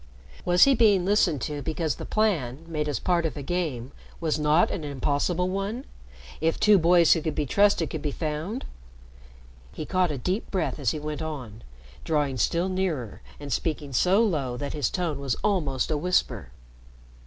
Was he being listened to because the plan, made as part of a game, was not an impossible one if two boys who could be trusted could be found? He caught a deep breath as he went on, drawing still nearer and speaking so low that his tone was almost a whisper.